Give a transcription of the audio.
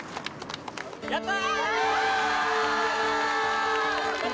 やった！